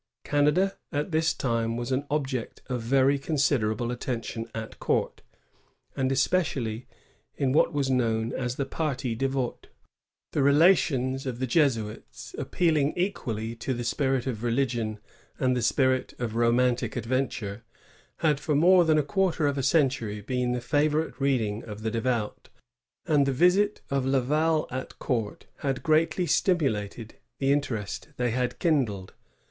^ Canada at this time was an object of very consid erable attention at court, and especially in what WBB known as the parti dSvot. The BelatioTis of the Jesuits, appealing equally to the spirit of religion and the spirit of romantic adventure, had for more than a quarter of a century been the favorite reading of the devout, and the visit of Laval at court had greatly stimulated the interest they had kindled.